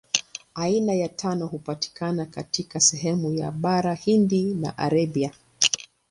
Aina ya tano hupatikana katika sehemu ya Bara Hindi na Arabia.